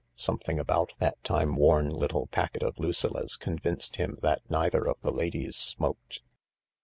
Something about that timeworn little packet of Lucilla 's convinced him that neither of the ladies smoked.